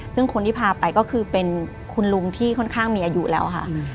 ซึ่งคนที่พาไปก็คือเป็นคุณลุงที่ค่อนข้างมีอายุแล้วค่ะ